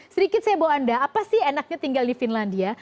sedikit saya bawa anda apa sih enaknya tinggal di finlandia